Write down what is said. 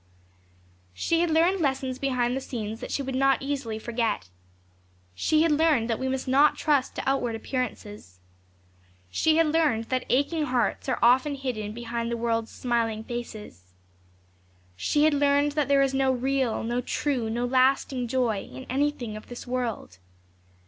She had learned lessons behind the scenes that she would not easily forget. She had learned that we must not trust to outward appearances. She had learned that aching hearts are often hidden behind the world's smiling faces. She had learned that there is no real, no true, no lasting joy in anything of this world.